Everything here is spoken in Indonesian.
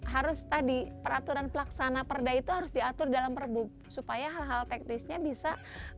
harus tadi peraturan pelaksana perda itu harus diatur dalam perbu supaya hal hal teknisnya bisa